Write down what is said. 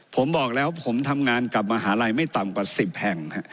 ผมบอกแล้วผมทำงานกับมหาลัยไม่ต่ำกว่า๑๐แห่ง